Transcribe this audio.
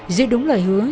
dưới đúng lời hướng